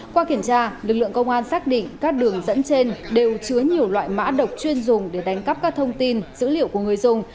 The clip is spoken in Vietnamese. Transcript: qua kiểm tra lực lượng công an xác định các đường dẫn trên đều chứa nhiều loại mã độc chuyên dùng để đánh cắp các thông tin dữ liệu của người dùng